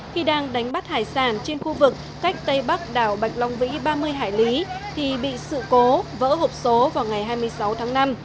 khi đang đánh bắt hải sản trên khu vực cách tây bắc đảo bạch long vĩ ba mươi hải lý thì bị sự cố vỡ hộp số vào ngày hai mươi sáu tháng năm